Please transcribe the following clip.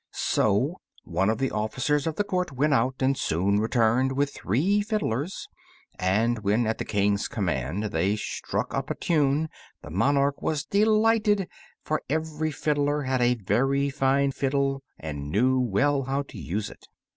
So one of the officers of the court went out and soon returned with three fiddlers, and when at the King's command they struck up a tune, the monarch was delighted, for every fiddler had a very fine fiddle and knew well how to use it.